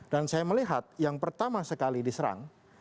dan saya melihat yang pertama sekali diserang